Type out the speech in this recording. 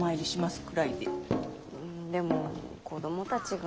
うんでも子供たちが。